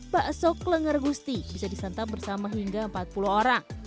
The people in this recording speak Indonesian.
bakso kelenger gusti bisa disantap bersama hingga empat puluh orang